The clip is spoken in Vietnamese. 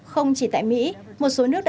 không chỉ tại mỹ một số nước đã luật hóa